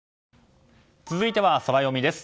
続いてはソラよみです。